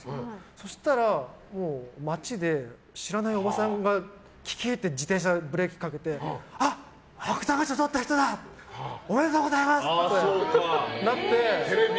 そしたら街で知らないおばさんがキキーって自転車でブレーキかけてあ、芥川賞とった人だ！おめでとうございますってなって。